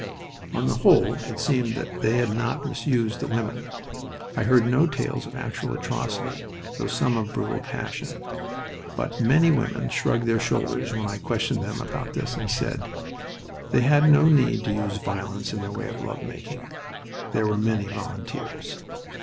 On the whole it seemed they had not misused the women. I heard no tales of actual atrocity, though some of brutal passion. But many women shrugged their shoulders when I questioned them about this and said: "They had no need to use violence in their way of love making. There were many volunteers."